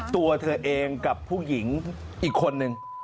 ตัวเธอเองกับผู้หญิงอีกคนนึง